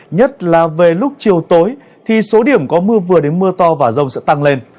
nhất là về lúc chiều tối thì số điểm có mưa vừa đến mưa to và rông sẽ tăng lên